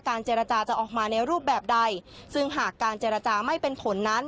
เจรจาจะออกมาในรูปแบบใดซึ่งหากการเจรจาไม่เป็นผลนั้น